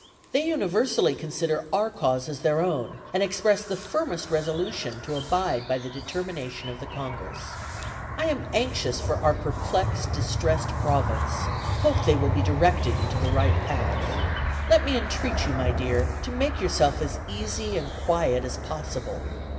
They universally consider our cause as their own, and express the firmest resolution to abide by the determination of the Congress. "I am anxious for our perplexed, distressed province; hope they will be directed into the right path. Let me entreat you, my dear, to make yourself as easy and quiet as possible.